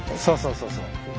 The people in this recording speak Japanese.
そうそうそうそう。